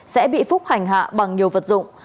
sẽ bị phúc hành hạ bằng nhiều vật dụng